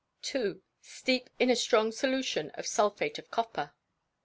Steep in a strong solution of sulphate of copper.